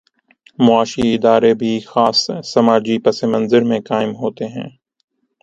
معاشی ادارے بھی خاص سماجی پس منظر میں قائم ہوتے ہیں۔